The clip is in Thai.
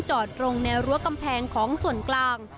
จอดตรงแนวรั้วกำแพงของส่วนกลาง